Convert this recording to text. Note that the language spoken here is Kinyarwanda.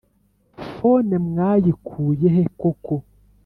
phone mwayikuye he koko